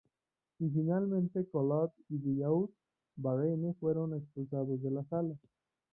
Y finalmente Collot y Billaud-Varenne fueron expulsados de la sala.